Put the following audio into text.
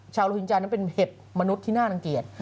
โลหินจานั้นเป็นเห็บมนุษย์ที่น่ารังเกียจ